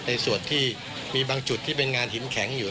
ในส่วนที่มีบางจุดที่เป็นงานหินแข็งอยู่